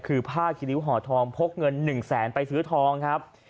คือผ้าคิริ้วห่อทองพกเงิน๑แสนไปซื้อทองครับ